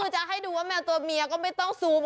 เชื่อขึ้นเร็ว